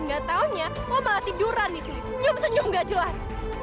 nggak taunya melatih duran di sini senyum senyum gak jelas